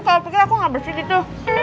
kamu pikir aku enggak bersih gitu